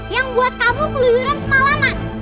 yang buat kamu keliyuran semalaman